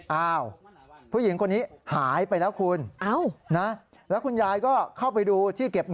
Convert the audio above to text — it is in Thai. เอ้าผู้หญิงคนนี้หายไปแล้วคุณ